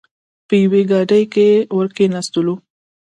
په یوې ګاډۍ کې ور کېناستلو.